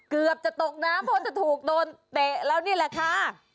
เกือบจะตกน้ำเพราะจะถูกโดนเตะแล้วนี่แหละค่ะ